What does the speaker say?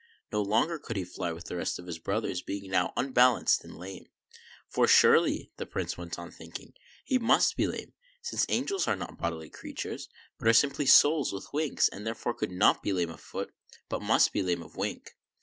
No longer could he fly with the rest of his brothers, being now unbalanced and lame. " For, surely," the Prince went on thinking, "he must be lame, since angels are not bodily creatures, but are simply souls IOI 102 THE FAIRY SPINNING WHEEL with wings, and therefore could not be lame of foot, but must be lame of wing."